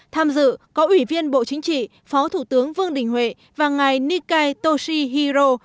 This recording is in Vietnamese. tham dự có ủy viên bộ chính trị phó thủ tướng vương đình huệ và ngài nikai toshihiro